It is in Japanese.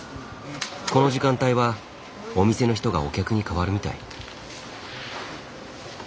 この時間帯はお店の人がお客に変わるみたい。